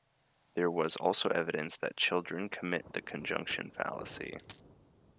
There was also evidence that children commit the conjunction fallacy.